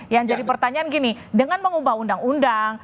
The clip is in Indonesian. yang jadi pertanyaan gini dengan mengubah undang undang